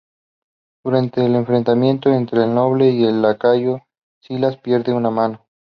Durante el enfrentamiento entre el noble y el lacayo, Silas pierde una mano.